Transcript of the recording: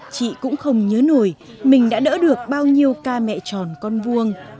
chị cũng không nhớ nổi mình đã đỡ được bao nhiêu ca mẹ tròn con vuông